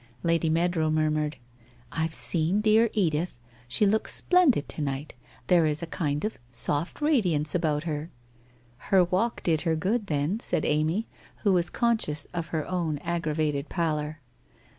Lady Meadrow murmured: ' I've seen dear Edith, she looks splendid to night. There is a kind of soft radiance about her. ../' Her walk did her good then,' said Amy, who was con ecione of her own aggravated pallor.